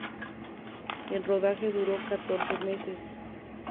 El rodaje duró catorce meses.